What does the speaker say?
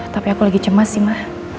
tapi aku lagi cemas sih mah